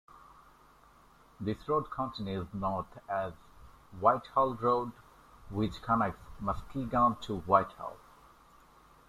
This road continues north as Whitehall Road, which connects Muskegon to Whitehall.